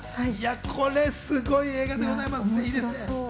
これすごい映画でございます。